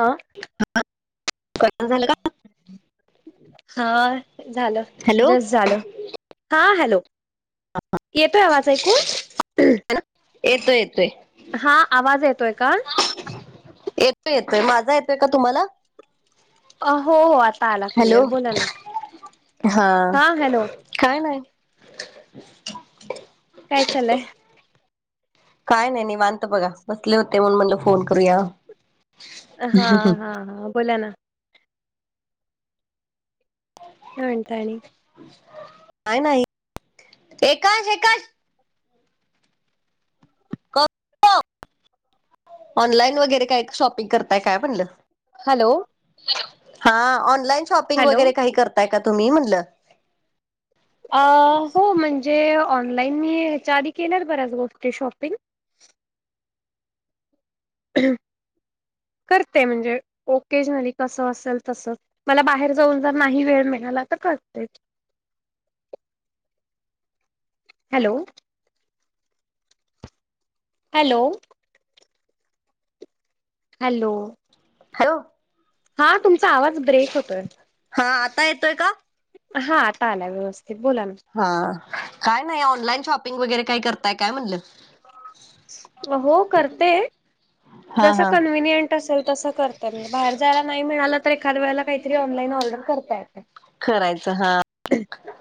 हां ह क झालं का हा झालं हॅलो. जस झालं हा हॅलो येतोय आवाज ऐकून येतोय येतोय हा आवाज येतोय का येतोय येतोय माझा येतोय का तुम्हाला आ हो आता आला क्लिअर हॅलो. बोला ना हा काय नाही काय चालय काय नाही निवांत बघा बसले होते म्हणल फोन करूया हां हा हा बोला ना काय म्हणता आणि काय नाही एकाच एकाच ऑनलाइन वगैरे काय शॉपिंग करताय काय म्हणलं हॅलो हा ऑनलाईन शॉपिंग हॅलो वगैरे काही करताय का तुम्ही म्हणलं अ हो म्हणजे ऑनलाईन मी ह्याच्या आधी केल्यात बऱ्याच गोष्टी शॉपिंग करते म्हणजे ओके झाली कसं असेल तस मला बाहेर जाऊन जर नाही वेळ मिळाला तर करतेच हॅलो हॅलो [inaudible] हॅलो हा तुमचा आवाज ब्रेक होतोय हा आता येतोय का? हा आता आला व्यवस्थित बोला ना हा काय नाही ऑनलाईन शॉपिंग वगैरे काही करताय काय म्हणलं हो करते हा जस हा कन्वेनियंट [unintelligible] तस करते मी बाहेर जायला नाही मिळालं तर एखाद वेळेला काहीत ऑनलाईन ऑर्डर करता येत करायच हा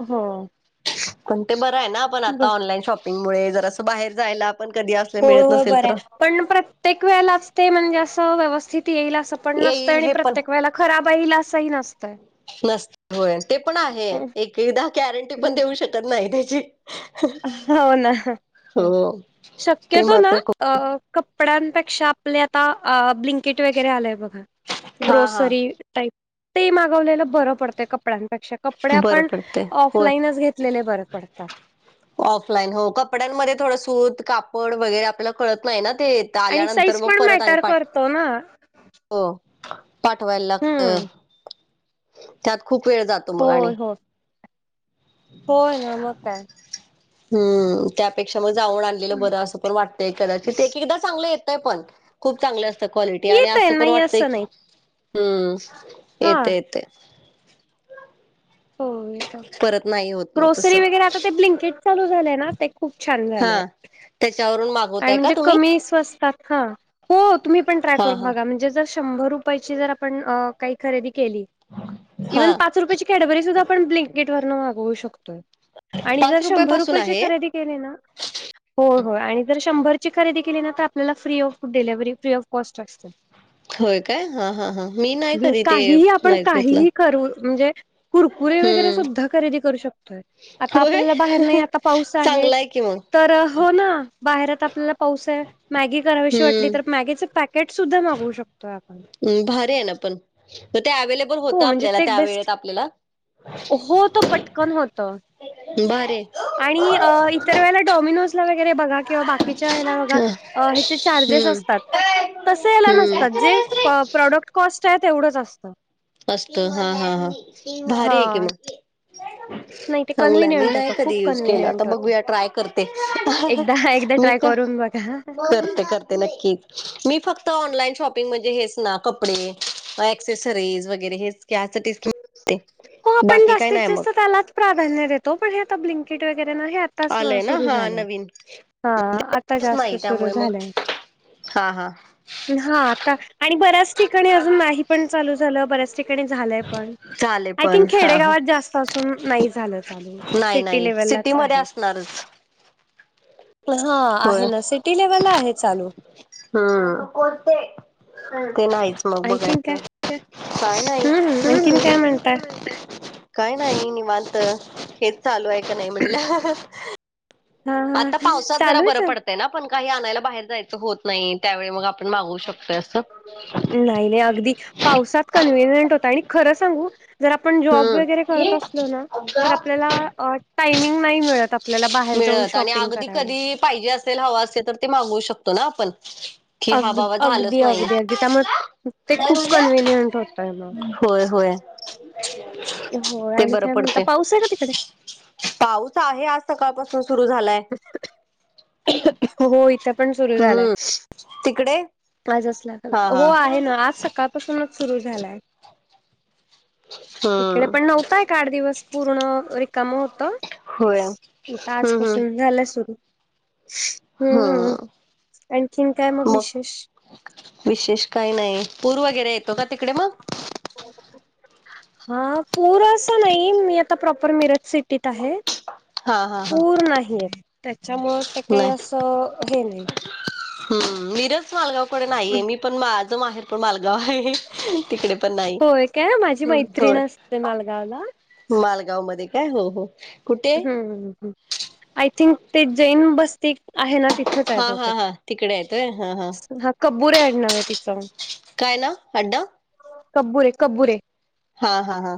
हो. पण ते बरं आहे ना आपण आता बस ऑनलाईन शॉप मुळे जर असं बाहेर जायला पण कधी अस हो हो बर पण प्रत्येक वेळेलाच ते म्हणजे असं व्यवस्थित येईल असं पण नसतं येईल आणि हे पण प्रत्येक वेळेला खराब ईल असंही नसतंय नसत होय ते पण आहे एक एकदा गॅरंटी पण देऊ शकत नाही त्याची हो ना हो ते शक्यतो ना मात्र खूप अ कपड्यांपेक्षा आपले आता आ ब्लिंकेट वगैरे आलेय बघा हा हा ग्रोसरी टाईप ते मागवलेलं बरं पडतंय कपड्यांपेक्षा कपडे बरं आपण पडते होय ऑफलाईनच घेतलेले बरे पडतात ऑफलाईन हो कपड्यांमध्ये थोडं सूत कापड वगैरे आपल्याला कळत नाही ना ते क आणि आल्यानंतर साईज मग पण परत आणि मॅटर पाठ करतो ना. हो पाठवायला हम्म लागत त्यात खूप वेळ जात होय हो होय ना मग काय. हम्म! त्यापेक्षा मग जाऊन आणलेलं बरं असं पण वाटतंय कदाचित ते एक एकदा चांगलं येतय पण. खूप चांगलं असतं क्वालिटी आणि अस येतय पण नाही वाटतय असं की, नाही. हम्म हा येते येते. हो येत परत नाही होत मग तस ग्रोसरी वगैरे आता ते ब्लिंकेट चालू झाले ना ते खूप छान झालय हा त्याच्यावरून आणि मागवताय का म्हणजे तुम्ही कमी स्वस्तात ह. हो तुम्ही पण ट्राय हा करून हा बघा म्हणजे जर शंभर रुपयाची जर आपण अ काही खरेदी केली इव्हन हा पाच रुपयाची कॅडबरी सुद्धा आपण ब्लिंकीटवरण मागवू शकतोय. आणि जर पाच रुपये शंभर पासून रुपयाची आहे खरेदी केली ना होय होय आणि जर शंभरची खरेदी केली ना, तर आपल्याला free of delivery free of cost असते. होय काय हा हा हा मी नाही कधी ते काहीही आपण नाहीच काहीही घेतलं. म्हणजे कुरकुरे वगैरे हम्म सुद्धा खरेदी करू शकतोय. आता होय आपल्याला बाहेर नाही आता पाऊस आहे. चांगला कि मग तर हो ना बाहेरात आपल्याला पाऊस आहे मॅगी करावीशी वाटली तर हम्म मॅगीच पॅक पॅकेट सुद्धा मागवू शकतोय आपण. भारी आहे ना पण. ते अव्हेलेबल होतं हो म्हणजे आपल्याला ते त्या वेळेत बेस्ट आपल्याला. हो तो पटकन होत. भारी आहे आणि अ इतर वेळेला डॉमिनोज वगैरे बघा किंवा बाकीच्या हेला बघा, हा हेचे चार्जेस हम्म असतात. तस याला नसतात. जे हम्म प्रॉडक्ट कॉस्ट आहे तेवढंच असतं. असत हा हा हा. भारी आहे कि हा मग. नाही ते चांगलंय मी कन्व्हिनियंट नाही होतं खूप कधी युज केलं. आता कन्व्हिनियंट होतं. बघूया ट्राय करते. एकदा एकदा मी ट्राय काय करून बघा. करते करते नक्की मी फक्त ऑनलाईन शॉपिंग म्हणजे हेच ना कपडे, अस्क्ससेरीज वगैरे वैगरे. हेच की आता ते [unintelligible] हो आपण जास्तीत जात त्यालाच प्राधान्य देतो. पण हे आता ब्लेकिंट वगैरे ना आताच आलंय ना सुरू हा झालंय. नवीन हा, आता जास्त नाही सुरू त्यामुळे मग झालंय. हा हा. हा आता आणि बऱ्याच ठिकाणी अजून नाही पण चालू झालं, बऱ्याच ठिकाणी झालंय पण. चालेल आय पण थिंक हा हा खेडेगावात जास्त असून नाही झालं चालू. नाही सिटी नाही लेवललाच सिटीमध्ये आहे. असणारच हा होय आहे ना, सिटी लेव्हलला आहे चालू. हम्म, ते नाहीच मग आणखीन बघायचं. काय काय नाही. हम्म, आणखीन काय म्हणताय? काय नाही मी निवांत. हेच चालू आहे का नाही म्हणलं. हा हा आता पावसात जरा बरं चालूच आहे. पडतंय ना, पण काही आणायला बाहेर जायचं होत नाही. त्यावेळी मग आप मागवू शकतोय अस. नाही नाही अगदी पावसात कन्व्हनियंट होता आणि खरं सांगू जर आपण जॉब हम्म. वगैरे करत हे असलो ना तर आपल्याला टायमिंग नाही मिळत आपल्याला बाहेर जाऊन मिळत शॉप आणि अगदी कधी पाहिजे असेल हवा असेल तर ते मागवू शकतो ना आपण. कि हा अग बाबा झालच अगदी नाही. अगदी अगदी त्यामुळे ते खूप कन्व्हिनियंट होतय मग. होय होय. [inaudible] होय ते आणि बरं काय म्हणता, पडतय. पाऊस आहे का तिकडे? पाऊस आहे आज सकाळपासून सुरू झालाय. हो इथं पण सुरु झालाय. हम्म तिकडे आजच असला हा [unintelligible] हो आहे हा. ना आज सका सकाळपासूनच सुरू झालाय. इकडे हम्म पण नव्हता एक आठ दिवस पूर्ण, रिकाम होत. होय, हम्म हम्म. झाला सुरू. हम्म, आणखीन काय मगं मग विशेष? विशेष काही नाही. पूर वगैरे येतो का तिकडे मगं? हा पूर असं नाही, मी आता प्रॉपर मिरज सिटीत आहे. हा हा हा पूर नाही येत त्याच्यामुळ ते काही नाही असं हे नाही. हम्म, मिरज मालगावकड नाहीये. मी पण माझं माहेर पण मालगाव हाय तिकडे पण नाही होय काय, माझी हम्म मैत्रिण होय असते मालगावला. मालगाव मध्ये काय, हम्म हम्म. हम्म, आय थिंक ते जैन बस्ती आहे ना तिथ तिथंच हाय हा हा बहुतेक. हा तिकडे येतोय हा हा कबुर्रे अडनावय तिच. काय नाव? अडनाव. कबुरे कबुरे. हा हा हा.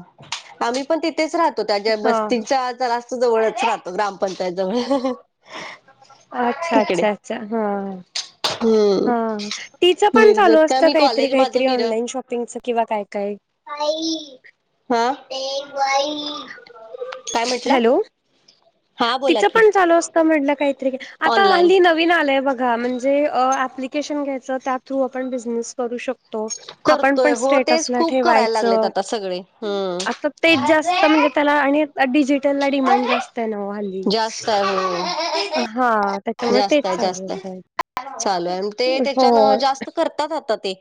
आम्ही पण तिथेच राहतो त्या ज्या हा हा. बस्तीचा जरास जवळच राहतो, ग्रामपंचायत जवळ. अच्छा तिकडे अच्छा अच्छा हा. हम्म हा तिचं पण चालू मिरजेत का असत मी काहीतरी कॉलेज माझं काहीतरी ऑनलाईन शॉपिंगच किंवा काय काय. बाई हा ते बाई. काय म्हटला? हॅलो हा बोला तिचं की पण चालू असतं म्हटलं काहीतरी, आता ऑनलाईन हल्ली न वीन आलाय बघा, म्हणजे एप्लीकेशन घ्यायचं त्यात पण आपण बिझनेस करू शक तो. करतोय आपणपण हो तेच स्टेटसला खूप करायला लागलेत ठेवायचं. आता सगळे आता हम्म तेच जास्त म्हणजे त्याला आणि डिजिटलला डिमांड जास्त आहे नव्ह हल्ली. जास्त आहे हो हा त्याच्यामुळे तेच जास्त आहे चालू जास्त होतय, आहे चालू आहे ते होय. त्याच्यान जास्त करतात आता ते.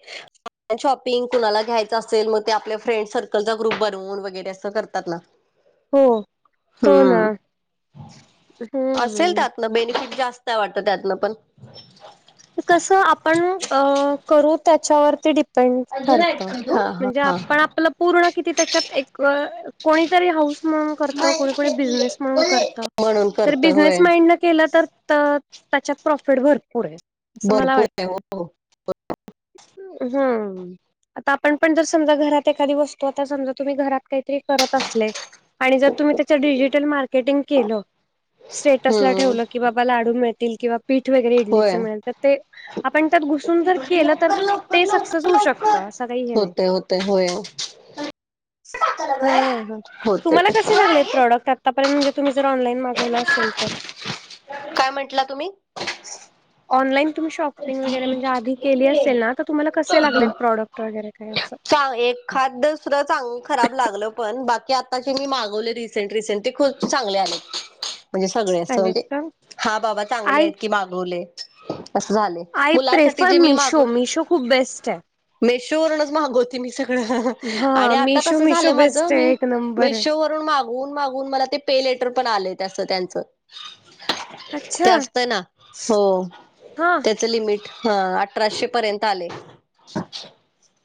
शॉपिंग कुणाला घ्यायचं असेल, मग ते आपल्या फ्रेंड सर्कलचा ग्रुप बनवून वगैरे असं करतात ना. हो होना. हम्म हम्म. न बेनिफिट जास्त आहे वाटतं त्यातनपण. कसं आपण अ करू त्याच्यावरती डी पेंड अजून आहेत ठरत. म्हणजे का आपण आपलं पूर्ण किती त्याच्यात एक कोणीतरी हाऊस म्हणून तू? करतं, कोणी कोणी बिझनेस म्हणून करतं. म्हणून तर करत बिझनेस होय माइंडन केलं तर तर त्याच्यात प्रॉफिट भरपूर आहे, असं मला भरपूर आहे वाटतय. [inaudible] हुं. आता आपण पण जर समजा, घरात एखादी वस्तू आता समजा, तुम्ही घरात काहीतरी करत असलेत आणि जर तुम्ही त्याचं डिजिटल मार्केटिंग केलं स्टेटसला हम्म ठेवलं. की बाबा लाडू मिळतील किंवा पीठ वगैरे होय इडलीच मिळल तर ते आपण त्यात घुसून जर केलं, तर लवकर लवकर ते सक्सेस होऊ शकतं. असं काही हे नाही. तो हो. हो हो होते तुम्हाला ते. तू कसे लागलेत आहेस? प्रॉडक्ट? आतापर्यंत म्हणजे तुम्ही जर ऑनलाईन मागवला असेल तर. काय म्हंटला तुम्ही ऑनलाईन तुम्ही शॉपिंग वगैरे म्हणजे आधी केली हम्म. असेल ना, तर तुम्हाला कसे लागलेत प्रॉडक्ट वगैरे काय असं? चां एखाद दुसरं चांगलं खराब लागलं. पण बाकी आता जे मी मागवले, रिसेंट रिसेंट ते खूप चांगले आलेत. म्हणजे सगळे असं चालेत म्हणजे, का हा बाबा चांगले आय आहेत, की मागवले असं झालंय. आय मुलासाठी प्रेफर जे मी मिशो, मागव मिशो खूप बेस्ट आहे. मेशोवरूनच मागवते मी सगळ हा आणि आता मिशो कसं मिशो झालंय माझ बेस्ट मी आहे एक नंबर आहे मेशोवर मागवून मागवून मला ते पे लेटर पण आलंय, ते असं त्यांच. ते अच्छा असतं ना, हो. हा हे लिमिट, हं. अठराशे पर्यंत आलंय.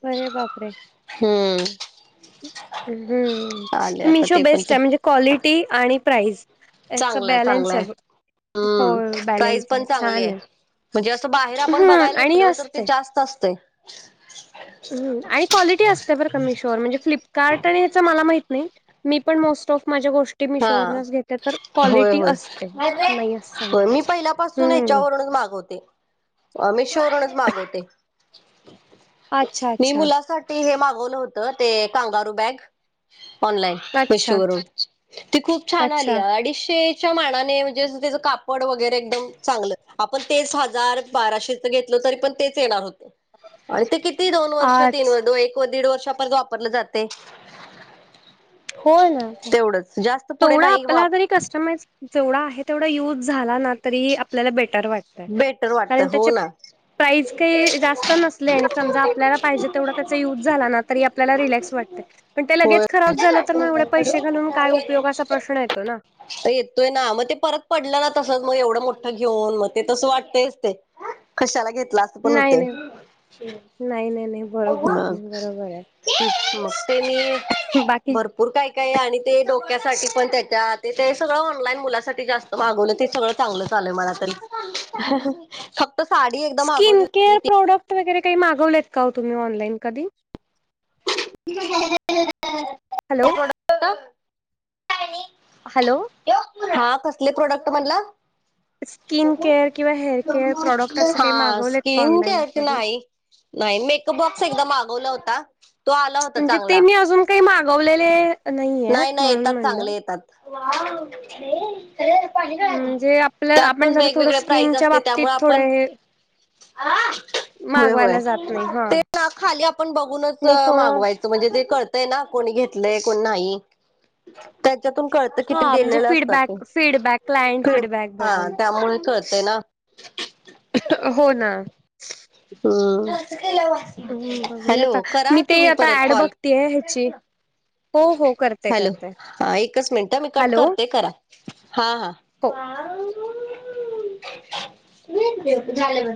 बरे बापरे. हुं. हुं, हे आता मिशो ते बेस्ट आहे, म्हणजे क्वालिटी आणि प्राईज. चांगलाय चांगलाय, हो हम्म प्राइज बॅलन्स पण आहे चांगली छान हाय. आहे म्हणजे असं बाहेर आपण बघायला हम्म आणि गेलो, तर ते असते जास्त असतंय. हुं आणि क्वालिटी असते बर मीशोवर म्हणजे फ्लिपकार्ट आणि ह्याच मला माहित नाही. मी पण मोस्ट औफ माझ्या गोष्टी हा, मिशोवरूनच घेते तर होय क्वालिटी होय. असते नाही असं नाही हो मी पहिल्यापासून हम्म ह्याच्यावरूनच मागव ते, मीशोरूनच मागवते. अच्छा मी अच्छा मुलासाठी ते हे मागवलं होतं, ते कांगारू बॅग ऑनलाईन अच्छा मिशोवरून. ती खूप छान अच्छा आल्या, अडीचशे च्या मानाने म्हणजेच त्याचा तेजं कापड वगैरे चांगल, आपण हजार बाराशे ते घेतलं तरीपण तेच येणार होतं आणि ते किती दोन वर्ष, तीन अच्छा वर्ष एक तो दीड वर्षापर्यंत वापरलं जातंय. हो ना आता, जास्त पुढे तेवढा नाही आपला वाप तरी कस्टमाइज जेवढा आहे तेवढा यूज झाला ना, तरी आपल्याला बेटर वाटतंय. बेटर कारण वाटतं हो त्याचे ना. प्राईज काही जास्त नसले आणि समजा आपल्याला पाहिजे तेवढा त्याचा युज झाला ना तरी आपल्याला रिलॅक्स वाटते. पण ते होय. लगेच खराब झालं तर मग एवढे पैसे घालून काय उपयोगाचा प्रश्न येतो ना. येतोय ना मग ते परत पडलं ना तसंच मग एवढं मोठं घेऊन मग. ते तस वाटतच ते कशाला घेतला अस पण नाही होते. नाही नाही नाही नाही बरोबर मग बरोबर आहे बाकी. पूर काय काय आणि ते डोक्यासाठी पण त्याच्यात. ते सगळं ऑनलाईन मुलासाठी जास्त मागवलं ते सगळं चांगलं चाललंय मला तर. फक्त साडी एकदम स्किन अगोली. केअर प्रोडक्ट वगैरे काही मागवलेत का तुम्ही ऑनलाईन कधी. तठीक झा. हॅलो! हॅलो, हा कसले प्रोडक्ट म्हणला? स्किन केअर किंवा हेअर केअर प्रॉडक्ट असं हा काही मागवलेत का स्किन ऑनलाईन घते कधी? नाही. नाही मेकअप बॉक्स एकदम मागवला होता. तो आला होता म्हणजे ते चांगला. मी अजून काही मागवलेले नाही नाहीयेत नाही म्हणून येतात म्हणलं. चांगले येतात. म्हणजे आपल्या त्यात आपण पण जरा थोडं वेगवेगळे प्राईज स्किनच्या असते बाबतीत त्यामुळे थोडं आपण, हे होय होय मागवायला जात नाही हा ते ना खाली आपण बघूनच नाही थोडं मागवायच. म्हणजे ते कळतंय ना कोणी घेतलंय कोण नाही. त्याच्यातून कळत किती हा म्हणजे गेलेलं असतात ते feedback feedback client feed feedback हा बघून त्यामुळे कळतय ना. [inaudible] हो ना. हम्म हम्म बघूया हॅलो आता करा मी ते तुम्ही आता परत ऍड कॉल. बघतीय ह्याची हो हो करते हॅलो करते हा एकच मिनट मी कट हॅलो करते करा हा हा. हो त दे झालं म.